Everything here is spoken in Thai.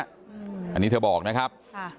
อันนี้เธอบอกนะครับ